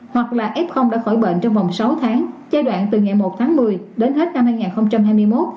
hoặc là f đã khỏi bệnh trong vòng sáu tháng giai đoạn từ ngày một tháng một mươi đến hết năm hai nghìn hai mươi một